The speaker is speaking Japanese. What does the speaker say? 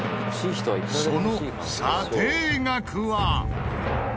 その査定額は。